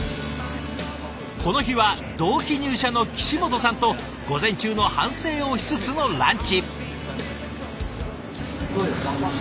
この日は同期入社の岸本さんと午前中の反省をしつつのランチ。